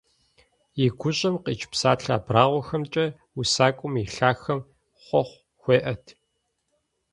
И гущӀэм къикӀ псалъэ абрагъуэхэмкӀэ усакӀуэм и лъахэм хъуэхъу хуеӀэт.